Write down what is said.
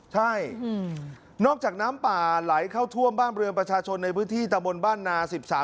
ใช่นอกจากน้ำป่าไหลเข้าท่วมบ้านเรือนประชาชนในพื้นที่ตะบนบ้านนา๑๓